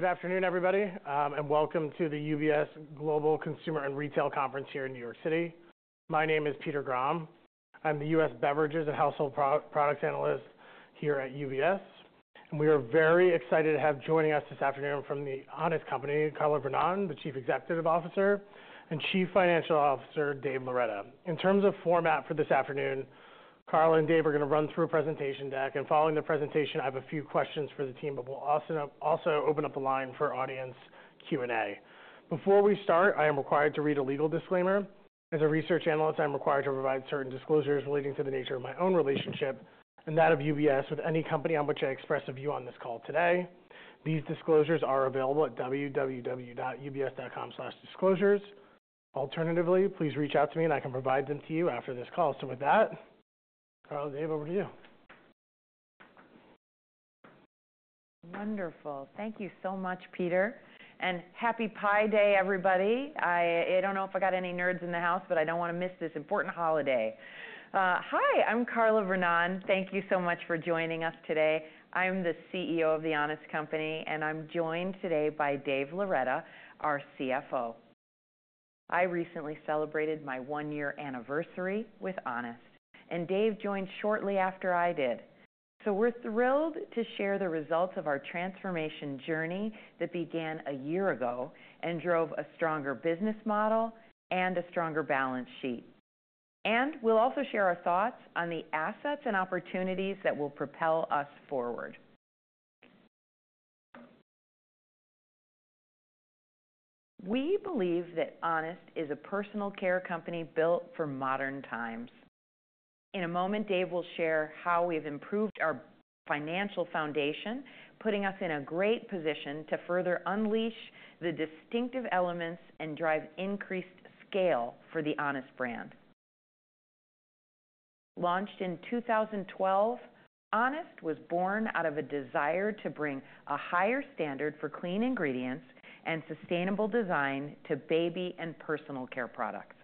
Good afternoon, everybody, and welcome to the UBS Global Consumer and Retail Conference here in New York City. My name is Peter Grom. I'm the U.S. Beverages and Household Products Analyst here at UBS, and we are very excited to have joining us this afternoon from the Honest Company, Carla Vernón, the Chief Executive Officer, and Chief Financial Officer, Dave Loretta. In terms of format for this afternoon, Carla and Dave are going to run through a presentation deck, and following the presentation, I have a few questions for the team, but we'll also open up the line for audience Q&A. Before we start, I am required to read a legal disclaimer. As a research analyst, I am required to provide certain disclosures relating to the nature of my own relationship and that of UBS with any company on which I express a view on this call today. These disclosures are available at www.ubs.com/disclosures. Alternatively, please reach out to me and I can provide them to you after this call. So with that, Carla, Dave, over to you. Wonderful. Thank you so much, Peter, and Happy Pi Day, everybody. I don't know if I got any nerds in the house, but I don't want to miss this important holiday. Hi, I'm Carla Vernón. Thank you so much for joining us today. I'm the CEO of The Honest Company, and I'm joined today by Dave Loretta, our CFO. I recently celebrated my one-year anniversary with Honest, and Dave joined shortly after I did. We're thrilled to share the results of our transformation journey that began a year ago and drove a stronger business model and a stronger balance sheet. We'll also share our thoughts on the assets and opportunities that will propel us forward. We believe that Honest is a personal care company built for modern times. In a moment, Dave will share how we have improved our financial foundation, putting us in a great position to further unleash the distinctive elements and drive increased scale for the Honest brand. Launched in 2012, Honest was born out of a desire to bring a higher standard for clean ingredients and sustainable design to baby and personal care products.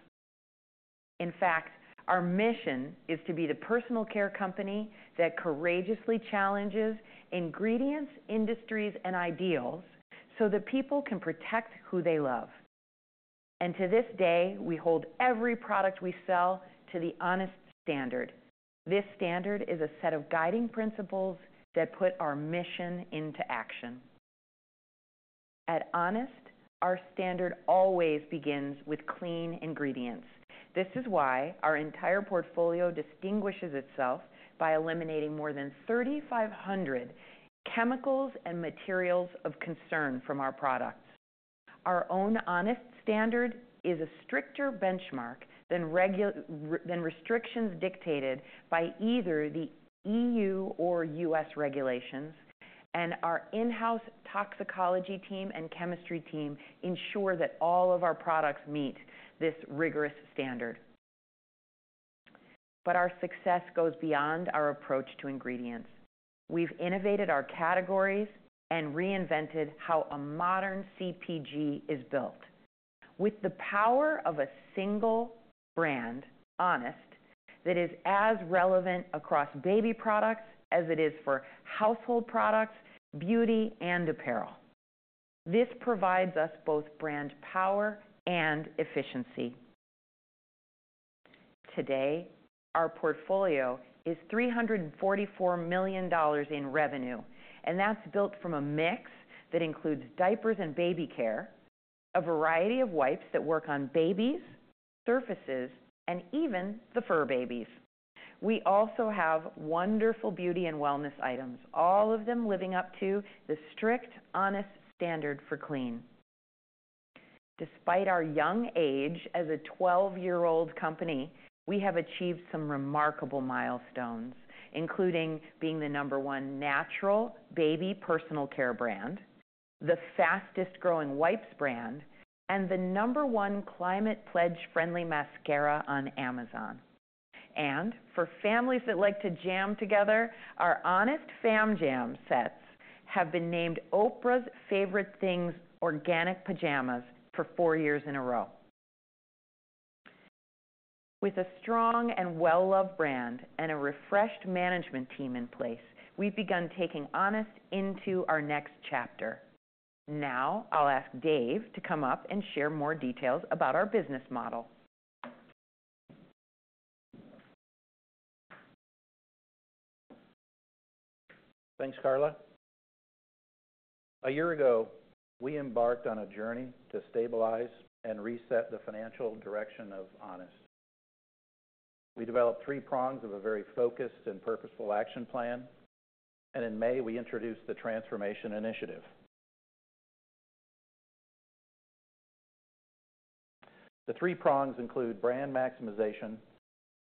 In fact, our mission is to be the personal care company that courageously challenges ingredients, industries, and ideals so that people can protect who they love. And to this day, we hold every product we sell to the Honest standard. This standard is a set of guiding principles that put our mission into action. At Honest, our standard always begins with clean ingredients. This is why our entire portfolio distinguishes itself by eliminating more than 3,500 chemicals and materials of concern from our products. Our own Honest Standard is a stricter benchmark than restrictions dictated by either the EU or U.S. regulations, and our in-house toxicology team and chemistry team ensure that all of our products meet this rigorous standard. But our success goes beyond our approach to ingredients. We've innovated our categories and reinvented how a modern CPG is built, with the power of a single brand, Honest, that is as relevant across baby products as it is for household products, beauty, and apparel. This provides us both brand power and efficiency. Today, our portfolio is $344 million in revenue, and that's built from a mix that includes diapers and baby care, a variety of wipes that work on babies, surfaces, and even the fur babies. We also have wonderful beauty and wellness items, all of them living up to the strict Honest Standard for clean. Despite our young age as a 12-year-old company, we have achieved some remarkable milestones, including being the number one natural baby personal care brand, the fastest-growing wipes brand, and the number one Climate Pledge Friendly mascara on Amazon. For families that like to jam together, our Honest Fam Jams have been named Oprah's Favorite Things Organic Pajamas for four years in a row. With a strong and well-loved brand and a refreshed management team in place, we've begun taking Honest into our next chapter. Now I'll ask Dave to come up and share more details about our business model. Thanks, Carla. A year ago, we embarked on a journey to stabilize and reset the financial direction of Honest. We developed three prongs of a very focused and purposeful action plan, and in May, we introduced the Transformation Initiative. The three prongs include brand maximization,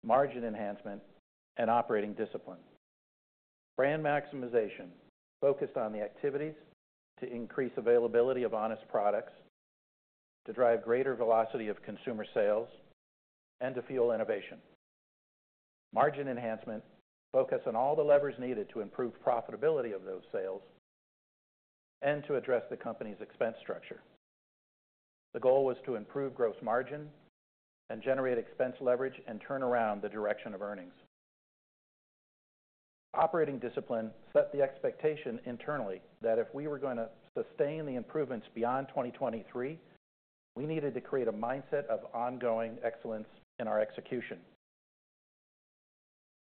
margin enhancement, and operating discipline. Brand maximization focused on the activities to increase availability of Honest products, to drive greater velocity of consumer sales, and to fuel innovation. Margin enhancement focused on all the levers needed to improve profitability of those sales and to address the company's expense structure. The goal was to improve gross margin and generate expense leverage and turn around the direction of earnings. Operating discipline set the expectation internally that if we were going to sustain the improvements beyond 2023, we needed to create a mindset of ongoing excellence in our execution.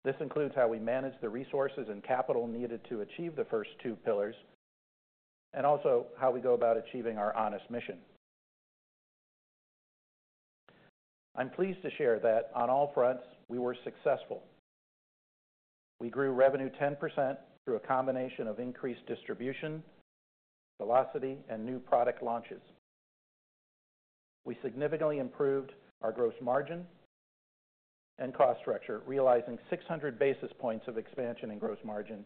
This includes how we manage the resources and capital needed to achieve the first two pillars, and also how we go about achieving our Honest mission. I'm pleased to share that on all fronts, we were successful. We grew revenue 10% through a combination of increased distribution, velocity, and new product launches. We significantly improved our gross margin and cost structure, realizing 600 basis points of expansion in gross margin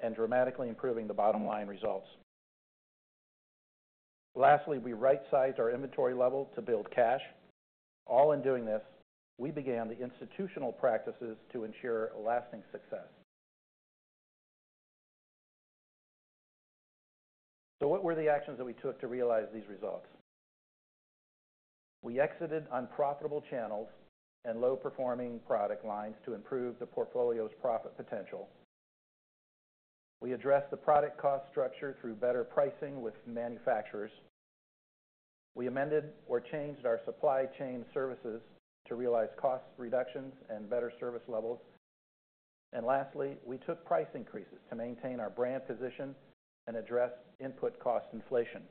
and dramatically improving the bottom line results. Lastly, we right-sized our inventory level to build cash. All in doing this, we began the institutional practices to ensure lasting success. What were the actions that we took to realize these results? We exited unprofitable channels and low-performing product lines to improve the portfolio's profit potential. We addressed the product cost structure through better pricing with manufacturers. We amended or changed our supply chain services to realize cost reductions and better service levels. And lastly, we took price increases to maintain our brand position and address input cost inflation.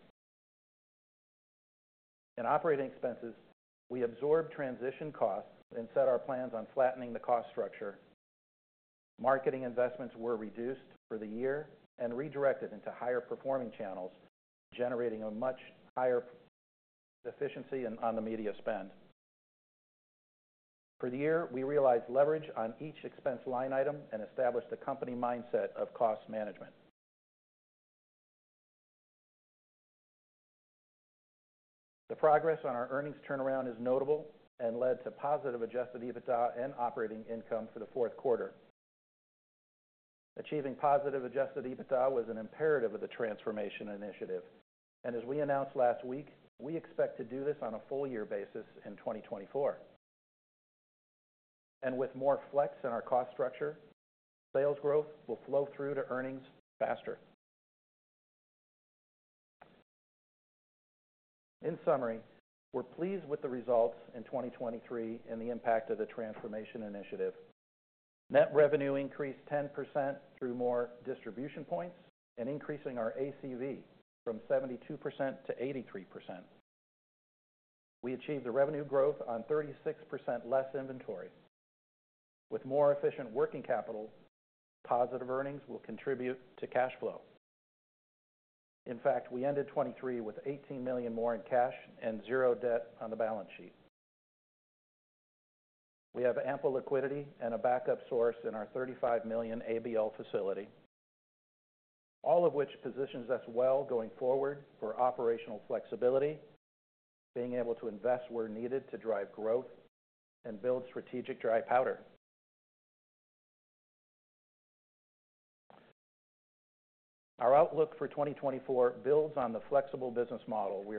In operating expenses, we absorbed transition costs and set our plans on flattening the cost structure. Marketing investments were reduced for the year and redirected into higher-performing channels, generating a much higher efficiency on the media spend. For the year, we realized leverage on each expense line item and established a company mindset of cost management. The progress on our earnings turnaround is notable and led to positive Adjusted EBITDA and operating income for the fourth quarter. Achieving positive Adjusted EBITDA was an imperative of the Transformation Initiative, and as we announced last week, we expect to do this on a full-year basis in 2024. With more flex in our cost structure, sales growth will flow through to earnings faster. In summary, we're pleased with the results in 2023 and the impact of the Transformation Initiative. Net revenue increased 10% through more distribution points and increasing our ACV from 72%-83%. We achieved a revenue growth on 36% less inventory. With more efficient working capital, positive earnings will contribute to cash flow. In fact, we ended 2023 with $18 million more in cash and 0 debt on the balance sheet. We have ample liquidity and a backup source in our $35 million ABL facility, all of which positions us well going forward for operational flexibility, being able to invest where needed to drive growth and build strategic dry powder. Our outlook for 2024 builds on the flexible business model we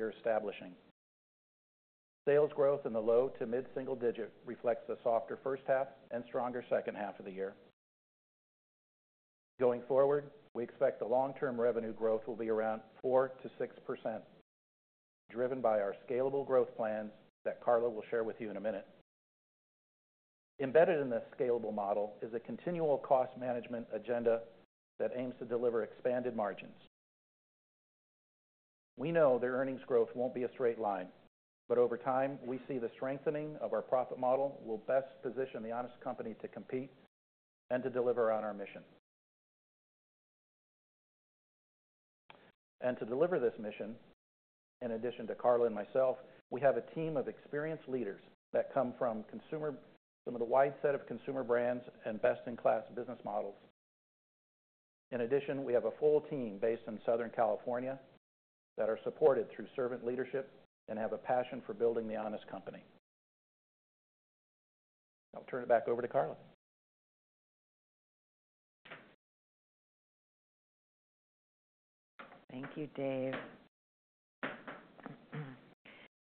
are establishing. Sales growth in the low to mid-single digit reflects a softer first half and stronger second half of the year. Going forward, we expect the long-term revenue growth will be around 4%-6%, driven by our scalable growth plans that Carla will share with you in a minute. Embedded in this scalable model is a continual cost management agenda that aims to deliver expanded margins. We know that earnings growth won't be a straight line, but over time, we see the strengthening of our profit model will best position The Honest Company to compete and to deliver on our mission. And to deliver this mission, in addition to Carla and myself, we have a team of experienced leaders that come from some of the wide set of consumer brands and best-in-class business models. In addition, we have a full team based in Southern California that are supported through servant leadership and have a passion for building The Honest Company. I'll turn it back over to Carla. Thank you, Dave.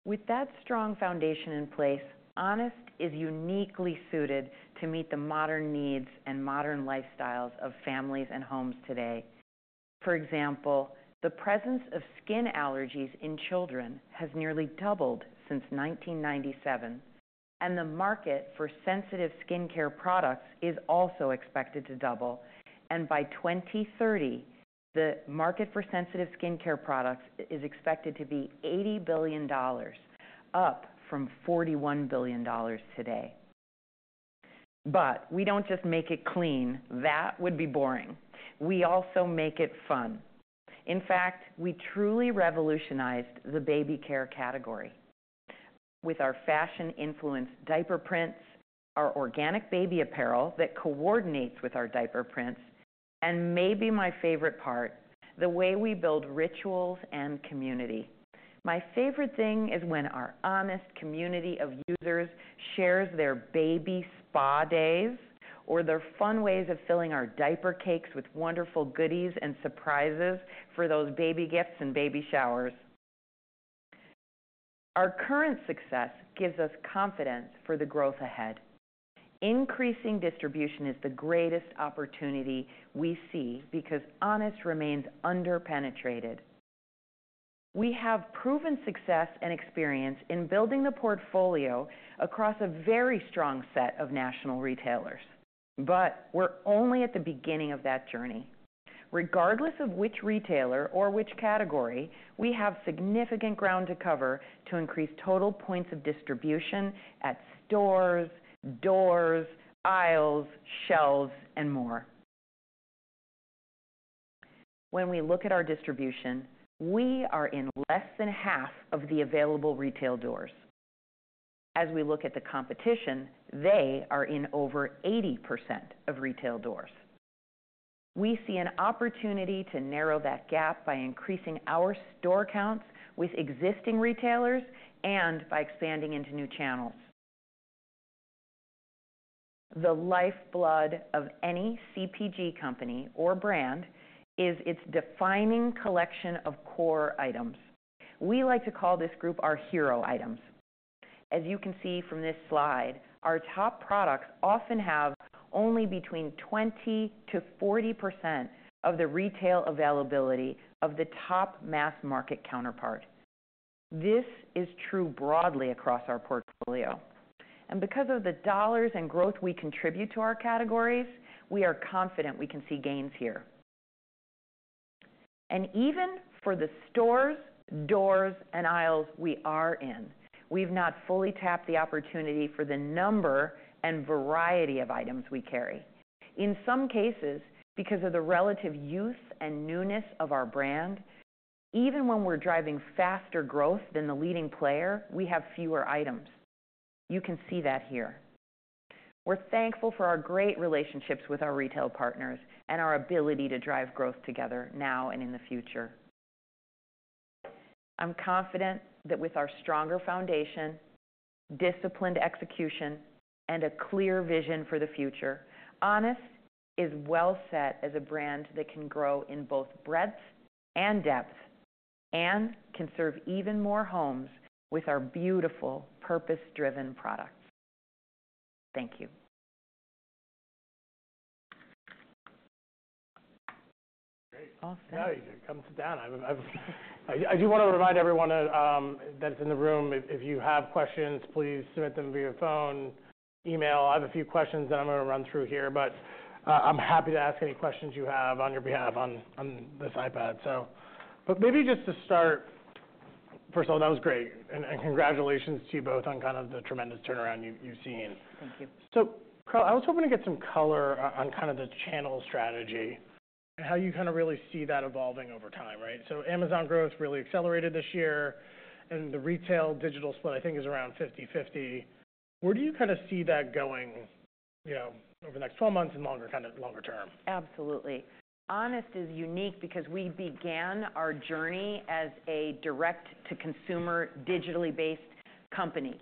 With that strong foundation in place, Honest is uniquely suited to meet the modern needs and modern lifestyles of families and homes today. For example, the presence of skin allergies in children has nearly doubled since 1997, and the market for sensitive skincare products is also expected to double. And by 2030, the market for sensitive skincare products is expected to be $80 billion up from $41 billion today. But we don't just make it clean. That would be boring. We also make it fun. In fact, we truly revolutionized the baby care category with our fashion-influenced diaper prints, our organic baby apparel that coordinates with our diaper prints, and maybe my favorite part, the way we build rituals and community. My favorite thing is when our Honest community of users shares their baby spa days or their fun ways of filling our diaper cakes with wonderful goodies and surprises for those baby gifts and baby showers. Our current success gives us confidence for the growth ahead. Increasing distribution is the greatest opportunity we see because Honest remains under-penetrated. We have proven success and experience in building the portfolio across a very strong set of national retailers, but we're only at the beginning of that journey. Regardless of which retailer or which category, we have significant ground to cover to increase total points of distribution at stores, doors, aisles, shelves, and more. When we look at our distribution, we are in less than half of the available retail doors. As we look at the competition, they are in over 80% of retail doors. We see an opportunity to narrow that gap by increasing our store counts with existing retailers and by expanding into new channels. The lifeblood of any CPG company or brand is its defining collection of core items. We like to call this group our hero items. As you can see from this slide, our top products often have only between 20%-40% of the retail availability of the top mass market counterpart. This is true broadly across our portfolio. Because of the dollars and growth we contribute to our categories, we are confident we can see gains here. Even for the stores, doors, and aisles we are in, we've not fully tapped the opportunity for the number and variety of items we carry. In some cases, because of the relative youth and newness of our brand, even when we're driving faster growth than the leading player, we have fewer items. You can see that here. We're thankful for our great relationships with our retail partners and our ability to drive growth together now and in the future. I'm confident that with our stronger foundation, disciplined execution, and a clear vision for the future, Honest is well set as a brand that can grow in both breadth and depth and can serve even more homes with our beautiful purpose-driven products. Thank you. Great. All set. Yeah, you can come sit down. I do want to remind everyone that's in the room, if you have questions, please submit them via phone, email. I have a few questions that I'm going to run through here, but I'm happy to ask any questions you have on your behalf on this iPad, so. But maybe just to start, first of all, that was great. Congratulations to you both on kind of the tremendous turnaround you've seen. Thank you. So, Carla, I was hoping to get some color on kind of the channel strategy and how you kind of really see that evolving over time, right? So, Amazon growth really accelerated this year, and the retail digital split, I think, is around 50/50. Where do you kind of see that going over the next 12 months and longer term, kind of longer term? Absolutely. Honest is unique because we began our journey as a direct-to-consumer, digitally based company.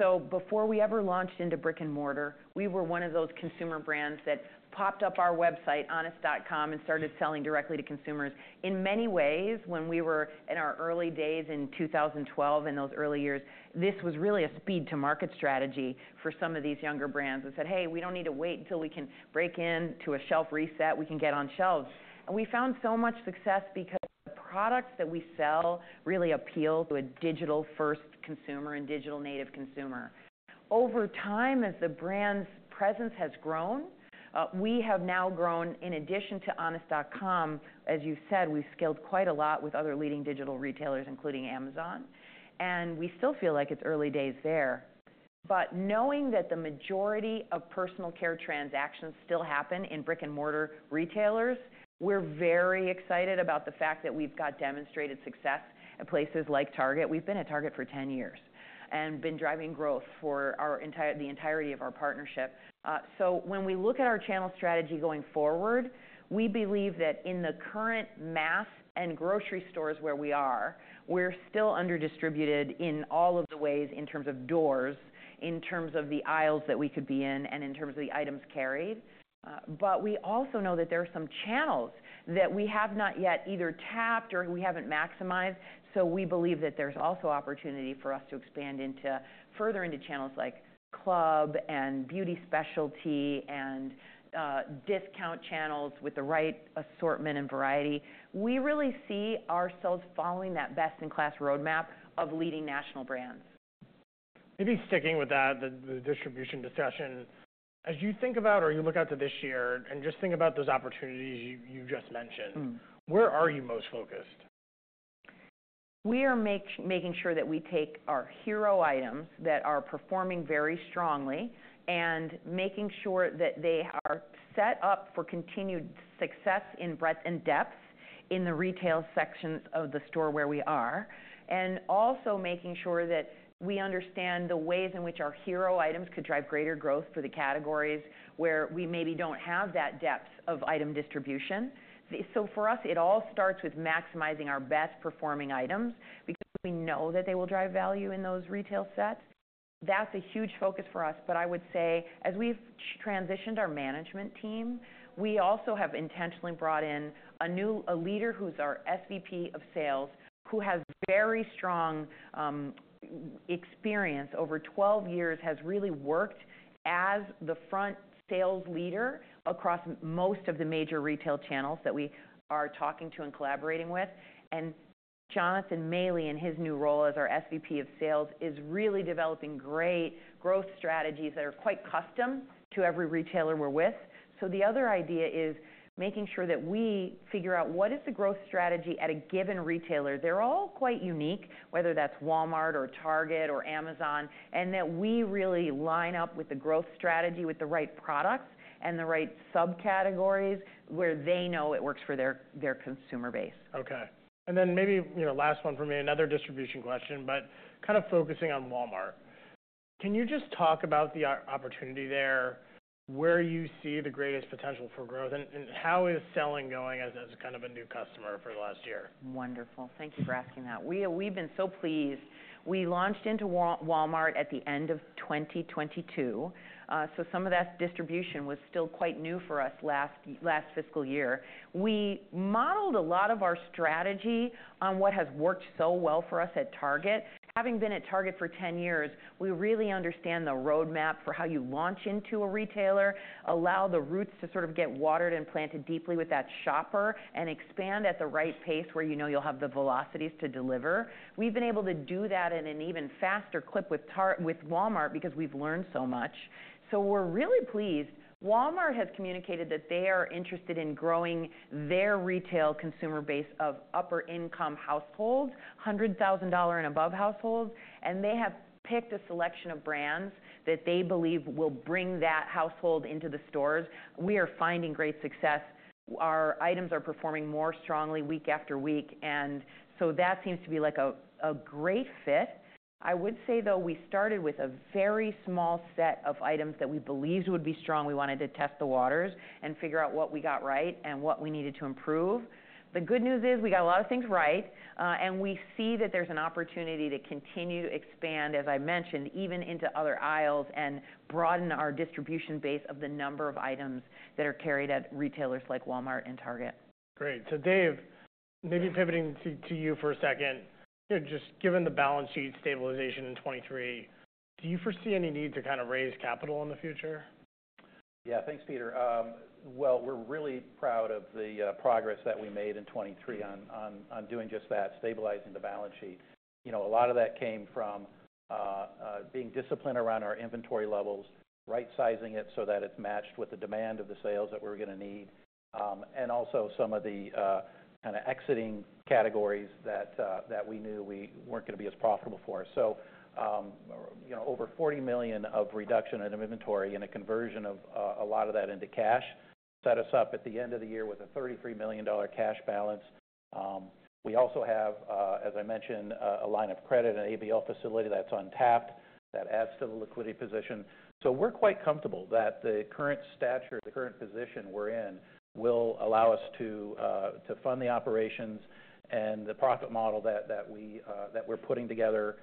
So before we ever launched into brick and mortar, we were one of those consumer brands that popped up our website, honest.com, and started selling directly to consumers. In many ways, when we were in our early days in 2012 and those early years, this was really a speed-to-market strategy for some of these younger brands that said, "Hey, we don't need to wait until we can break into a shelf reset. We can get on shelves." And we found so much success because the products that we sell really appeal to a digital-first consumer and digital-native consumer. Over time, as the brand's presence has grown, we have now grown, in addition to honest.com, as you've said, we've scaled quite a lot with other leading digital retailers, including Amazon. We still feel like it's early days there. But knowing that the majority of personal care transactions still happen in brick and mortar retailers, we're very excited about the fact that we've got demonstrated success at places like Target. We've been at Target for 10 years and been driving growth for the entirety of our partnership. So when we look at our channel strategy going forward, we believe that in the current mass and grocery stores where we are, we're still underdistributed in all of the ways in terms of doors, in terms of the aisles that we could be in, and in terms of the items carried. But we also know that there are some channels that we have not yet either tapped or we haven't maximized. We believe that there's also opportunity for us to expand further into channels like club and beauty specialty and discount channels with the right assortment and variety. We really see ourselves following that best-in-class roadmap of leading national brands. Maybe sticking with that, the distribution discussion, as you think about or you look out to this year and just think about those opportunities you just mentioned, where are you most focused? We are making sure that we take our hero items that are performing very strongly and making sure that they are set up for continued success in breadth and depth in the retail sections of the store where we are, and also making sure that we understand the ways in which our hero items could drive greater growth for the categories where we maybe don't have that depth of item distribution. So, for us, it all starts with maximizing our best-performing items because we know that they will drive value in those retail sets. That's a huge focus for us. I would say, as we've transitioned our management team, we also have intentionally brought in a leader who's our SVP of sales, who has very strong experience over 12 years, has really worked as the front sales leader across most of the major retail channels that we are talking to and collaborating with. Jonathan Mayle, in his new role as our SVP of sales, is really developing great growth strategies that are quite custom to every retailer we're with. The other idea is making sure that we figure out what is the growth strategy at a given retailer. They're all quite unique, whether that's Walmart or Target or Amazon, and that we really line up with the growth strategy with the right products and the right subcategories where they know it works for their consumer base. Okay. Then maybe last one from me, another distribution question, but kind of focusing on Walmart. Can you just talk about the opportunity there, where you see the greatest potential for growth, and how is selling going as kind of a new customer for the last year? Wonderful. Thank you for asking that. We've been so pleased. We launched into Walmart at the end of 2022, so some of that distribution was still quite new for us last fiscal year. We modeled a lot of our strategy on what has worked so well for us at Target. Having been at Target for 10 years, we really understand the roadmap for how you launch into a retailer, allow the roots to sort of get watered and planted deeply with that shopper, and expand at the right pace where you'll have the velocities to deliver. We've been able to do that in an even faster clip with Walmart because we've learned so much. So we're really pleased. Walmart has communicated that they are interested in growing their retail consumer base of upper-income households, $100,000 and above households, and they have picked a selection of brands that they believe will bring that household into the stores. We are finding great success. Our items are performing more strongly week after week, and so that seems to be a great fit. I would say, though, we started with a very small set of items that we believed would be strong. We wanted to test the waters and figure out what we got right and what we needed to improve. The good news is we got a lot of things right, and we see that there's an opportunity to continue to expand, as I mentioned, even into other aisles and broaden our distribution base of the number of items that are carried at retailers like Walmart and Target. Great. So, Dave, maybe pivoting to you for a second. Just given the balance sheet stabilization in 2023, do you foresee any need to kind of raise capital in the future? Yeah, thanks, Peter. Well, we're really proud of the progress that we made in 2023 on doing just that, stabilizing the balance sheet. A lot of that came from being disciplined around our inventory levels, right-sizing it so that it's matched with the demand of the sales that we were going to need, and also some of the kind of exiting categories that we knew weren't going to be as profitable for us. So over $40 million of reduction in inventory and a conversion of a lot of that into cash set us up at the end of the year with a $33 million cash balance. We also have, as I mentioned, a line of credit, an ABL facility that's untapped that adds to the liquidity position. We're quite comfortable that the current stature, the current position we're in, will allow us to fund the operations, and the profit model that we're putting together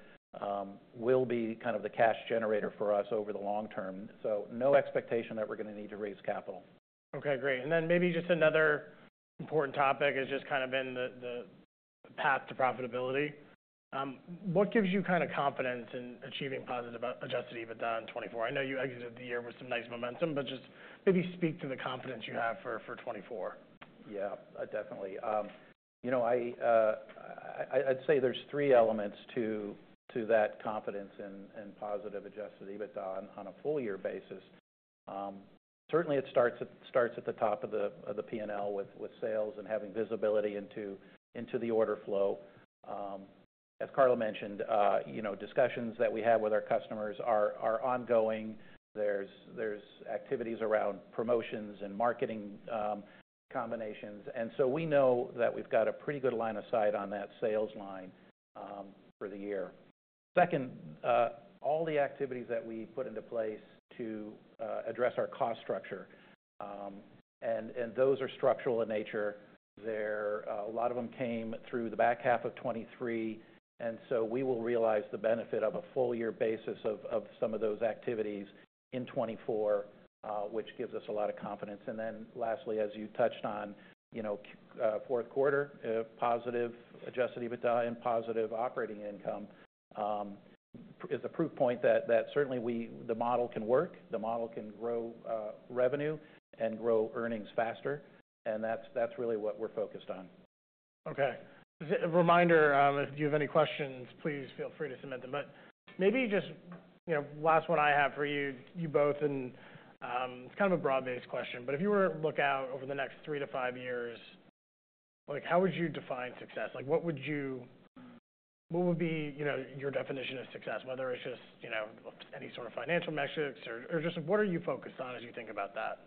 will be kind of the cash generator for us over the long term. No expectation that we're going to need to raise capital. Okay, great. And then maybe just another important topic has just kind of been the path to profitability. What gives you kind of confidence in achieving positive Adjusted EBITDA in 2024? I know you exited the year with some nice momentum, but just maybe speak to the confidence you have for 2024. Yeah, definitely. I'd say there's three elements to that confidence in positive adjusted EBITDA on a full-year basis. Certainly, it starts at the top of the P&L with sales and having visibility into the order flow. As Carla mentioned, discussions that we have with our customers are ongoing. There's activities around promotions and marketing combinations. And so we know that we've got a pretty good line of sight on that sales line for the year. Second, all the activities that we put into place to address our cost structure, and those are structural in nature. A lot of them came through the back half of 2023, and so we will realize the benefit of a full-year basis of some of those activities in 2024, which gives us a lot of confidence. And then lastly, as you touched on, fourth quarter, positive Adjusted EBITDA and positive operating income is a proof point that certainly the model can work. The model can grow revenue and grow earnings faster, and that's really what we're focused on. Okay. Reminder, if you have any questions, please feel free to submit them. But maybe just last one I have for you both, and it's kind of a broad-based question, but if you were to look out over the next 3-5 years, how would you define success? What would be your definition of success, whether it's just any sort of financial metrics or just what are you focused on as you think about that?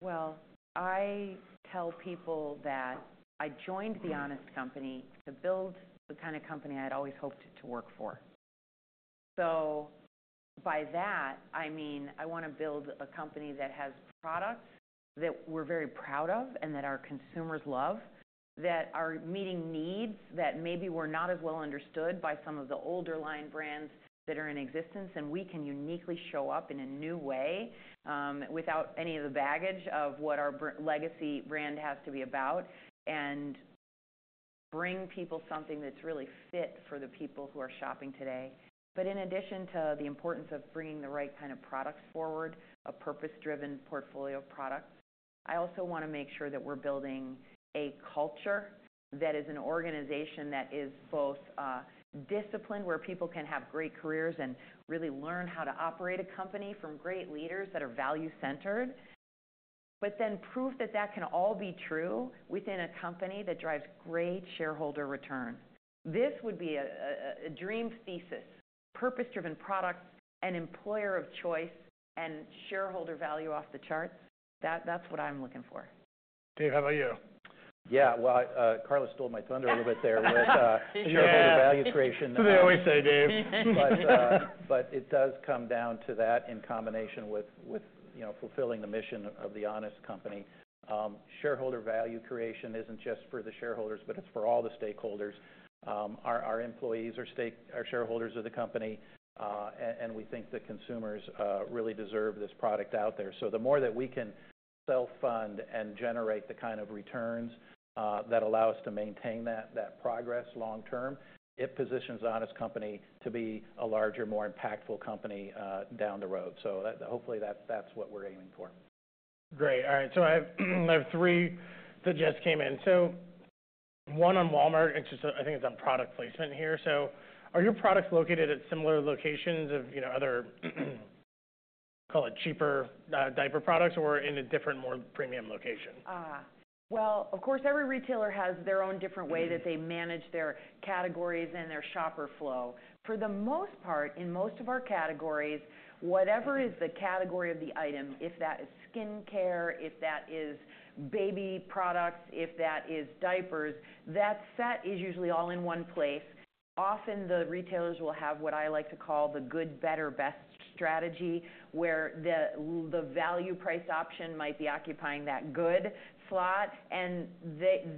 Well, I tell people that I joined The Honest Company to build the kind of company I had always hoped to work for. So by that, I mean, I want to build a company that has products that we're very proud of and that our consumers love, that are meeting needs that maybe were not as well understood by some of the older line brands that are in existence, and we can uniquely show up in a new way without any of the baggage of what our legacy brand has to be about and bring people something that's really fit for the people who are shopping today. But in addition to the importance of bringing the right kind of products forward, a purpose-driven portfolio of products, I also want to make sure that we're building a culture that is an organization that is both disciplined, where people can have great careers and really learn how to operate a company from great leaders that are value-centered, but then prove that that can all be true within a company that drives great shareholder return. This would be a dream thesis: purpose-driven products, an employer of choice, and shareholder value off the charts. That's what I'm looking for. Dave, how about you? Yeah, well, Carla stole my thunder a little bit there with shareholder value creation. That's what they always say, Dave. It does come down to that in combination with fulfilling the mission of The Honest Company. Shareholder value creation isn't just for the shareholders, but it's for all the stakeholders. Our employees are shareholders of the company, and we think the consumers really deserve this product out there. The more that we can self-fund and generate the kind of returns that allow us to maintain that progress long term, it positions The Honest Company to be a larger, more impactful company down the road. Hopefully, that's what we're aiming for. Great. All right. So I have three that just came in. So one on Walmart, and I think it's on product placement here. So are your products located at similar locations of other, call it, cheaper diaper products or in a different, more premium location? Well, of course, every retailer has their own different way that they manage their categories and their shopper flow. For the most part, in most of our categories, whatever is the category of the item, if that is skincare, if that is baby products, if that is diapers, that set is usually all in one place. Often, the retailers will have what I like to call the good, better, best strategy, where the value-priced option might be occupying that good slot, and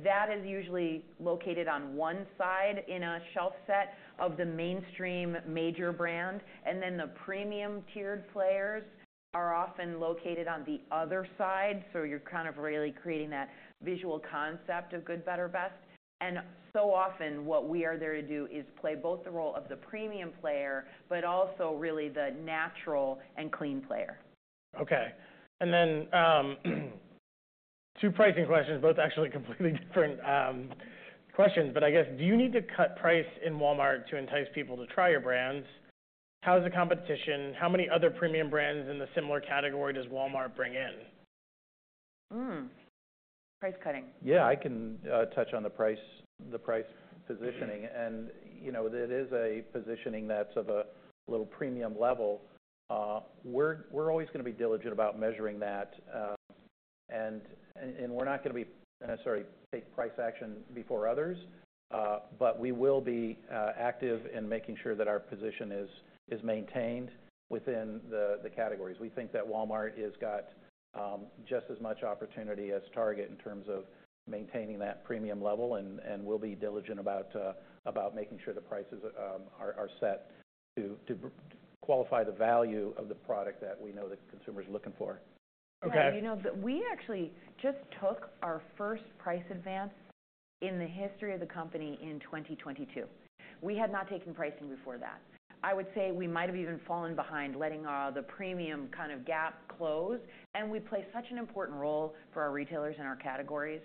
that is usually located on one side in a shelf set of the mainstream major brand. And then the premium-tiered players are often located on the other side. So you're kind of really creating that visual concept of good, better, best. And so often, what we are there to do is play both the role of the premium player but also really the natural and clean player. Okay. Two pricing questions, both actually completely different questions. I guess, do you need to cut price in Walmart to entice people to try your brands? How is the competition? How many other premium brands in the similar category does Walmart bring in? Price cutting. Yeah, I can touch on the price positioning. It is a positioning that's of a little premium level. We're always going to be diligent about measuring that, and we're not going to be sorry, take price action before others, but we will be active in making sure that our position is maintained within the categories. We think that Walmart has got just as much opportunity as Target in terms of maintaining that premium level, and we'll be diligent about making sure the prices are set to qualify the value of the product that we know that consumers are looking for. Yeah, we actually just took our first price advance in the history of the company in 2022. We had not taken pricing before that. I would say we might have even fallen behind letting the premium kind of gap close. We play such an important role for our retailers in our categories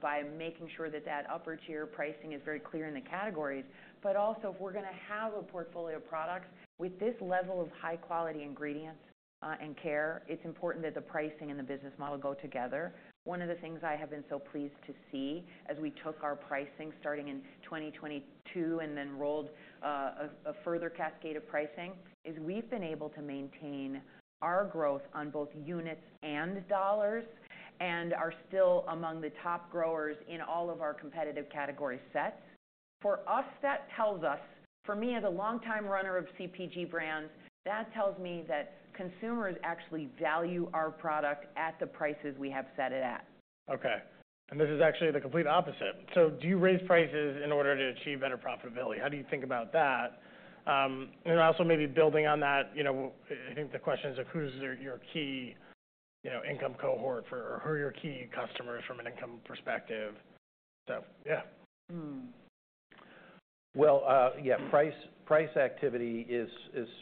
by making sure that that upper-tier pricing is very clear in the categories. But also, if we're going to have a portfolio of products with this level of high-quality ingredients and care, it's important that the pricing and the business model go together. One of the things I have been so pleased to see as we took our pricing starting in 2022 and then rolled a further cascade of pricing is we've been able to maintain our growth on both units and dollars and are still among the top growers in all of our competitive category sets. For us, that tells us for me, as a longtime runner of CPG brands, that tells me that consumers actually value our product at the prices we have set it at. Okay. This is actually the complete opposite. So do you raise prices in order to achieve better profitability? How do you think about that? Also maybe building on that, I think the question is, who's your key income cohort or who are your key customers from an income perspective? So yeah. Well, yeah, price activity is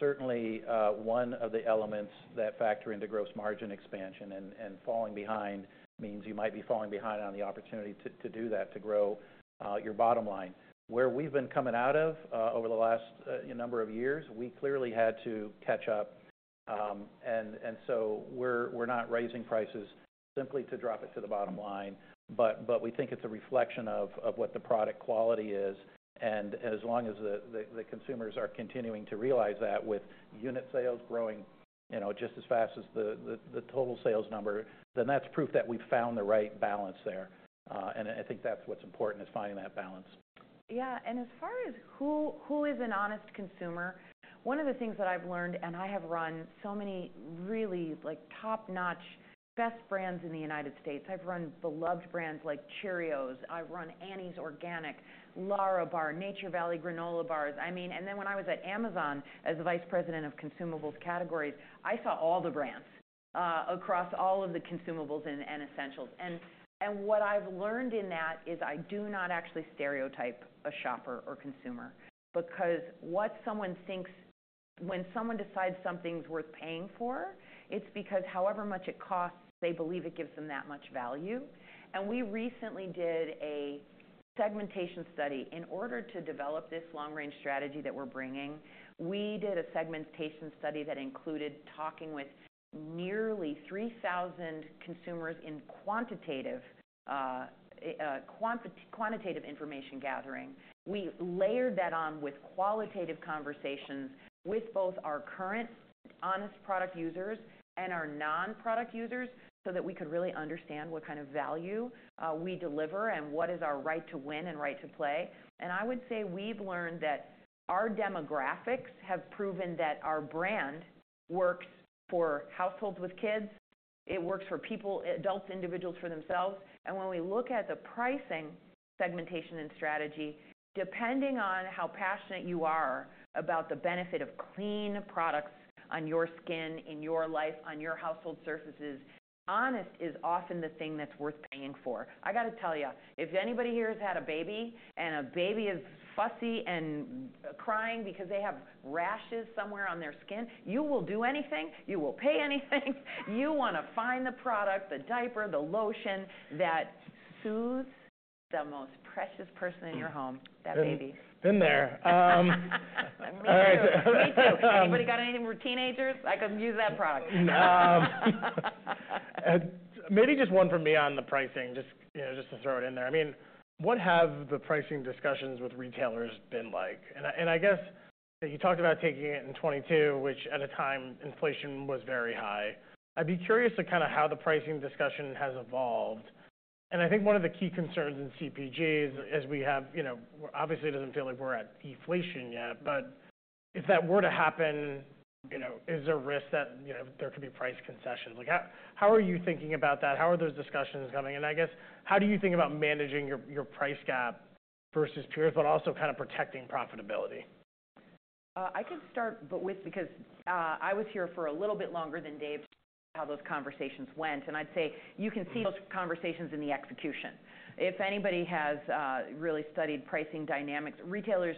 certainly one of the elements that factor into gross margin expansion. And falling behind means you might be falling behind on the opportunity to do that, to grow your bottom line. Where we've been coming out of over the last number of years, we clearly had to catch up. And so we're not raising prices simply to drop it to the bottom line, but we think it's a reflection of what the product quality is. And as long as the consumers are continuing to realize that with unit sales growing just as fast as the total sales number, then that's proof that we've found the right balance there. And I think that's what's important, is finding that balance. Yeah. As far as who is an honest consumer, one of the things that I've learned, and I have run so many really top-notch, best brands in the United States. I've run beloved brands like Cheerios. I've run Annie's Organic, Lärabar, Nature Valley Granola Bars. I mean, and then when I was at Amazon as the Vice President of consumables categories, I saw all the brands across all of the consumables and essentials. And what I've learned in that is I do not actually stereotype a shopper or consumer because what someone thinks when someone decides something's worth paying for, it's because however much it costs, they believe it gives them that much value. And we recently did a segmentation study. In order to develop this long-range strategy that we're bringing, we did a segmentation study that included talking with nearly 3,000 consumers in quantitative information gathering. We layered that on with qualitative conversations with both our current Honest product users and our non-product users so that we could really understand what kind of value we deliver and what is our right to win and right to play. I would say we've learned that our demographics have proven that our brand works for households with kids. It works for people, adults, individuals for themselves. When we look at the pricing segmentation and strategy, depending on how passionate you are about the benefit of clean products on your skin, in your life, on your household surfaces, Honest is often the thing that's worth paying for. I got to tell you, if anybody here has had a baby and a baby is fussy and crying because they have rashes somewhere on their skin, you will do anything. You will pay anything. You want to find the product, the diaper, the lotion that soothes the most precious person in your home, that baby. Been there. Me too. All right. Me too. Anybody got anything for teenagers? I could use that product. Maybe just one from me on the pricing, just to throw it in there. I mean, what have the pricing discussions with retailers been like? And I guess you talked about taking it in 2022, which at a time, inflation was very high. I'd be curious to kind of how the pricing discussion has evolved. And I think one of the key concerns in CPGs, as we have obviously, it doesn't feel like we're at deflation yet, but if that were to happen, is there a risk that there could be price concessions? How are you thinking about that? How are those discussions coming? And I guess, how do you think about managing your price gap versus peers, but also kind of protecting profitability? I could start with, because I was here for a little bit longer than Dave, to talk about how those conversations went. I'd say you can see those conversations in the execution. If anybody has really studied pricing dynamics, retailers,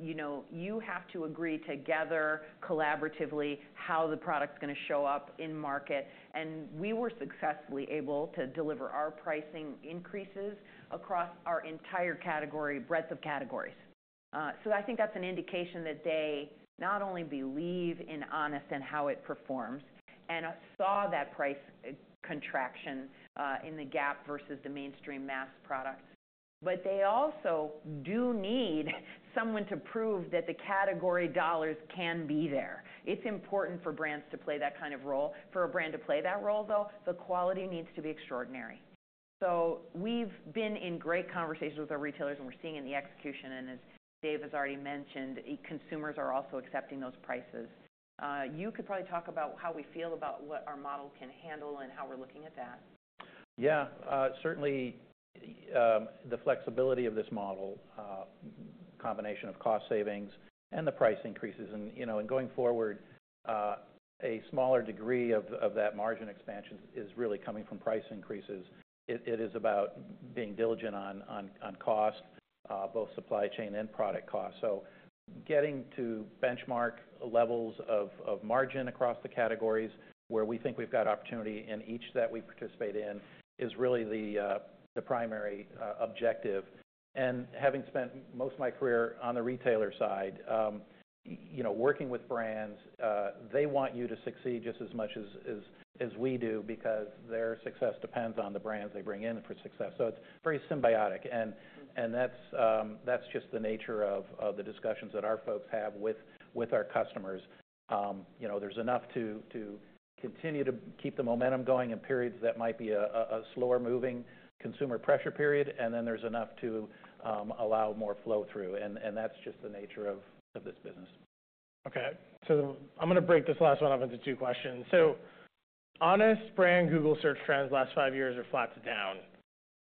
you have to agree together, collaboratively, how the product's going to show up in market. And we were successfully able to deliver our pricing increases across our entire category, breadth of categories. So I think that's an indication that they not only believe in Honest and how it performs and saw that price contraction in the gap versus the mainstream mass products, but they also do need someone to prove that the category dollars can be there. It's important for brands to play that kind of role. For a brand to play that role, though, the quality needs to be extraordinary. So we've been in great conversations with our retailers, and we're seeing in the execution, and as Dave has already mentioned, consumers are also accepting those prices. You could probably talk about how we feel about what our model can handle and how we're looking at that. Yeah. Certainly, the flexibility of this model, combination of cost savings and the price increases. Going forward, a smaller degree of that margin expansion is really coming from price increases. It is about being diligent on cost, both supply chain and product cost. Getting to benchmark levels of margin across the categories where we think we've got opportunity in each that we participate in is really the primary objective. Having spent most of my career on the retailer side, working with brands, they want you to succeed just as much as we do because their success depends on the brands they bring in for success. It's very symbiotic. That's just the nature of the discussions that our folks have with our customers. There's enough to continue to keep the momentum going in periods that might be a slower-moving consumer pressure period, and then there's enough to allow more flow through. That's just the nature of this business. Okay. So I'm going to break this last one up into two questions. Honest brand Google search trends last five years are flat to down.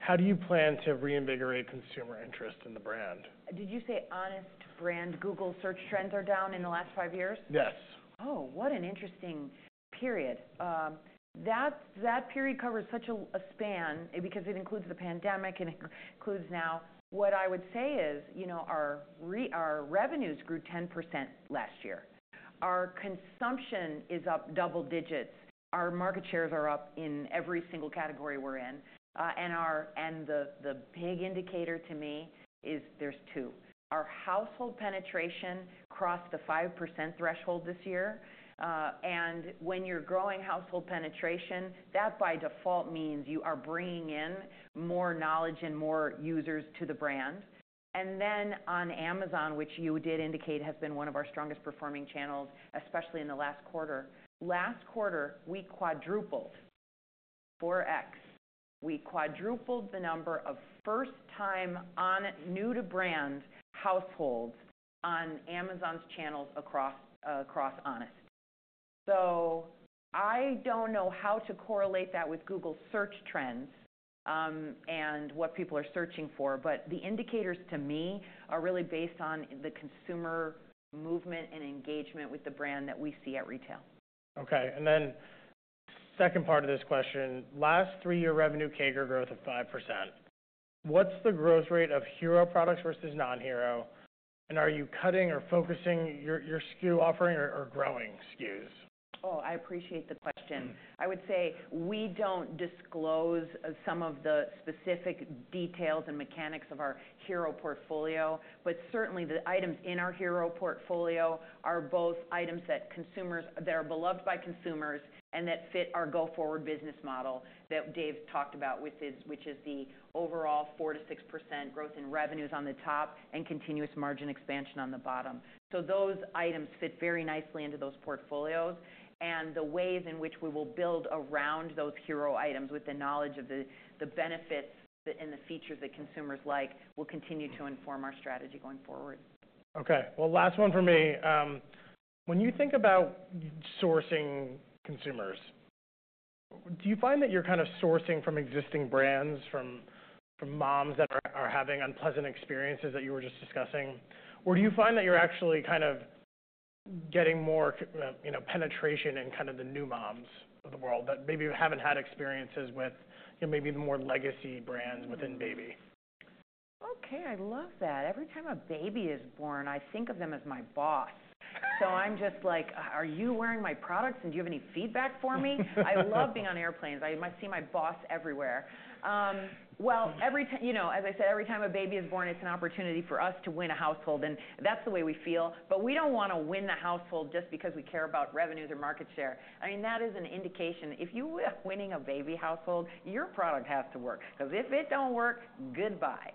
How do you plan to reinvigorate consumer interest in the brand? Did you say Honest brand Google search trends are down in the last five years? Yes. Oh, what an interesting period. That period covers such a span because it includes the pandemic. It includes now what I would say is our revenues grew 10% last year. Our consumption is up double digits. Our market shares are up in every single category we're in. And the big indicator to me is there's two. Our household penetration crossed the 5% threshold this year. And when you're growing household penetration, that by default means you are bringing in more knowledge and more users to the brand. And then on Amazon, which you did indicate has been one of our strongest performing channels, especially in the last quarter, last quarter, we quadrupled, 4x. We quadrupled the number of first-time on new-to-brand households on Amazon's channels across Honest. I don't know how to correlate that with Google search trends and what people are searching for, but the indicators to me are really based on the consumer movement and engagement with the brand that we see at retail. Okay. And then second part of this question, last three-year revenue CAGR growth of 5%. What's the growth rate of hero products versus non-hero? And are you cutting or focusing your SKU offering or growing SKUs? Oh, I appreciate the question. I would say we don't disclose some of the specific details and mechanics of our hero portfolio, but certainly, the items in our hero portfolio are both items that are beloved by consumers and that fit our go-forward business model that Dave talked about, which is the overall 4%-6% growth in revenues on the top and continuous margin expansion on the bottom. So those items fit very nicely into those portfolios. And the ways in which we will build around those hero items with the knowledge of the benefits and the features that consumers like will continue to inform our strategy going forward. Okay. Well, last one for me. When you think about sourcing consumers, do you find that you're kind of sourcing from existing brands, from moms that are having unpleasant experiences that you were just discussing, or do you find that you're actually kind of getting more penetration in kind of the new moms of the world that maybe haven't had experiences with maybe the more legacy brands within baby? Okay. I love that. Every time a baby is born, I think of them as my boss. So, I'm just like, "Are you wearing my products, and do you have any feedback for me?" I love being on airplanes. I must see my boss everywhere. Well, as I said, every time a baby is born, it's an opportunity for us to win a household. And that's the way we feel. But we don't want to win the household just because we care about revenues or market share. I mean, that is an indication. If you are winning a baby household, your product has to work because if it don't work, goodbye.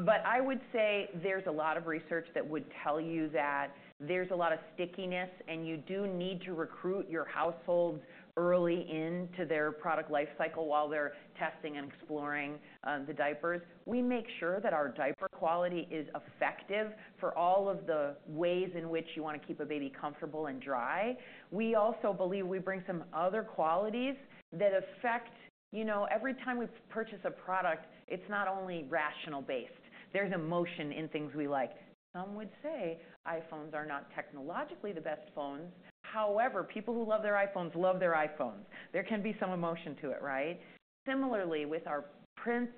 But I would say there's a lot of research that would tell you that. There's a lot of stickiness, and you do need to recruit your households early into their product lifecycle while they're testing and exploring the diapers. We make sure that our diaper quality is effective for all of the ways in which you want to keep a baby comfortable and dry. We also believe we bring some other qualities that affect every time we purchase a product, it's not only rational-based. There's emotion in things we like. Some would say iPhones are not technologically the best phones. However, people who love their iPhones love their iPhones. There can be some emotion to it, right? Similarly, with our prints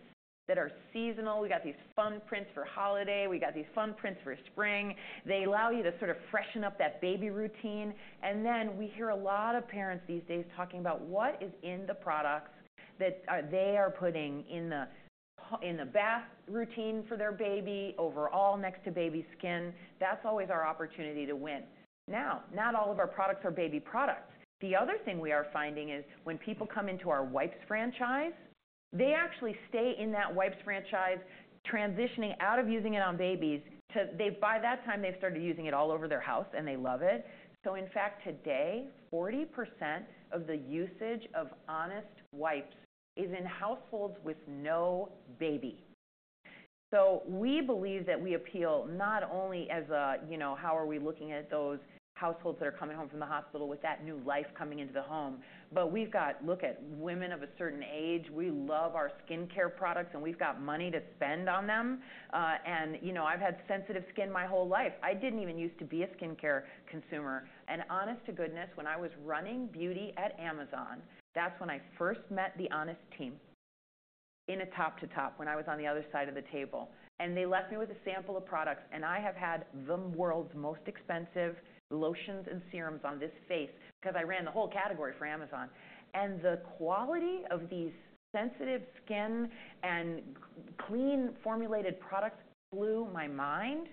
that are seasonal, we've got these fun prints for holiday. We've got these fun prints for spring. They allow you to sort of freshen up that baby routine. And then we hear a lot of parents these days talking about what is in the products that they are putting in the bath routine for their baby, overall, next to baby skin. That's always our opportunity to win. Now, not all of our products are baby products. The other thing we are finding is when people come into our wipes franchise, they actually stay in that wipes franchise, transitioning out of using it on babies to, by that time, they've started using it all over their house, and they love it. So in fact, today, 40% of the usage of Honest wipes is in households with no baby. So we believe that we appeal not only as a, "How are we looking at those households that are coming home from the hospital with that new life coming into the home?" But we've got, "Look at women of a certain age. We love our skincare products, and we've got money to spend on them." And I've had sensitive skin my whole life. I didn't even used to be a skincare consumer. Honest to goodness, when I was running beauty at Amazon, that's when I first met the Honest team in a top-to-top when I was on the other side of the table. They left me with a sample of products, and I have had the world's most expensive lotions and serums on this face because I ran the whole category for Amazon. The quality of these sensitive skin and clean-formulated products blew my mind.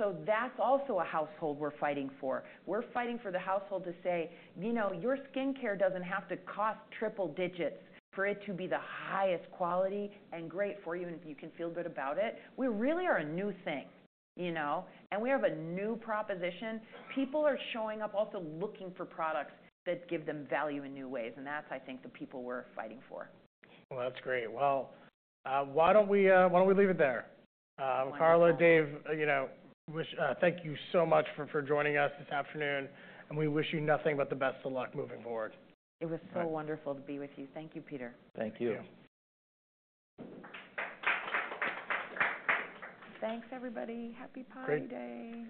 So that's also a household we're fighting for. We're fighting for the household to say, "Your skincare doesn't have to cost triple digits for it to be the highest quality and great for you, and you can feel good about it." We really are a new thing, and we have a new proposition. People are showing up also looking for products that give them value in new ways. That's, I think, the people we're fighting for. Well, that's great. Well, why don't we leave it there? Carla, Dave, thank you so much for joining us this afternoon. We wish you nothing but the best of luck moving forward. It was so wonderful to be with you. Thank you, Peter. Thank you. Thanks, everybody. Happy Pi Day.